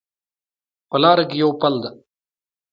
په لاره کې یو پل ده